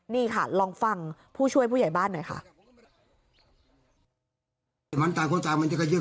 นี่ค่ะลองฟังผู้ช่วยผู้ใหญ่บ้านหน่อยค่ะ